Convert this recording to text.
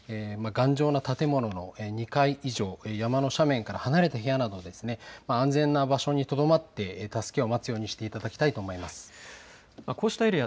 頑丈な建物の２階以上、山の斜面から離れた部屋など安全な場所にとどまって助けを持つようにしていただきたいと思います。